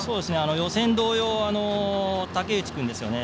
予選同様、竹内君ですね